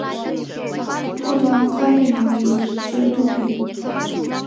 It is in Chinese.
末端跨越牛稠溪接万丹乡大昌路至社皮。